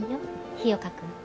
日岡君。